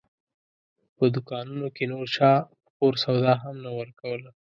په دوکانونو کې نور چا په پور سودا هم نه ورکوله.